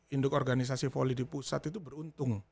induk organisasi voli di pusat itu beruntung